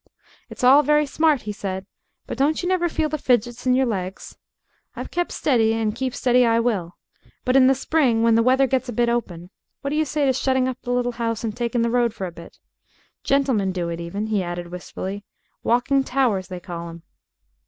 "It's all very smart," he said, "but don't you never feel the fidgets in your legs? I've kep' steady, and keep steady I will. But in the spring when the weather gets a bit open what d'you say to shutting up the little 'ouse and taking the road for a bit? Gentlemen do it even," he added wistfully. "Walking towers they call 'em."